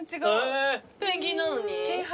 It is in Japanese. えっペンギンなのに？